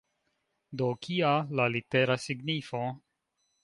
Do, kia la litera signifo?